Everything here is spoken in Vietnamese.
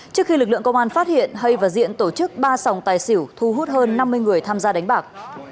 trước khi lực lượng công an phát hiện hay và diện tổ chức ba sòng tài xỉu thu hút hơn năm mươi người tham gia đánh bạc